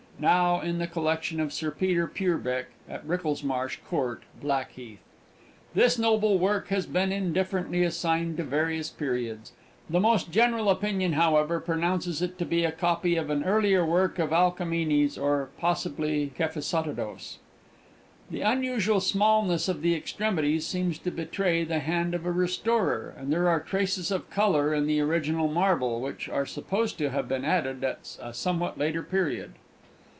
Now in the collection of Sir Peter Purbecke, at Wricklesmarsh Court, Black heath. "This noble work has been indifferently assigned to various periods; the most general opinion, however, pronounces it to be a copy of an earlier work of Alkamenes, or possibly Kephisodotos. "The unusual smallness of the extremities seems to betray the hand of a restorer, and there are traces of colour in the original marble, which are supposed to have been added at a somewhat later period."